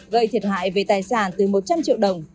gây thiệt hại về tài sản từ một trăm linh triệu đồng